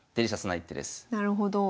なるほど。